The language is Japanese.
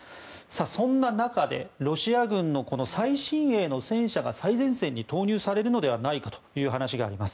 そんな中でロシア軍の最新鋭の戦車が最前線に投入されるのではないかという話があります。